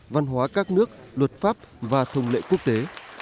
văn hóa các nước luật pháp và thông lệ quốc tế